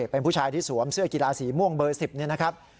เป็นผู้ชายที่สวมเสื้อกีฬาสีม่วงเบอร์๑๐นี่นะครับ